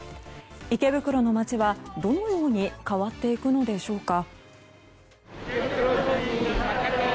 池袋の街はどのように変わっていくのでしょうか。